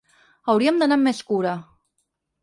Haurem d’anar amb més cura.